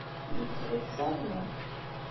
Yettwet Sami.